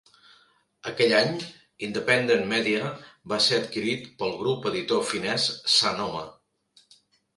Aquell any, Independent Media va ser adquirit pel grup editor finés Sanoma.